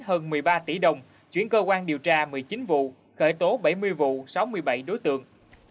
hơn một mươi ba tỷ đồng chuyển cơ quan điều tra một mươi chín vụ khởi tố bảy mươi vụ sáu mươi bảy đối tượng